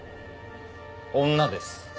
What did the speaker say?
女です。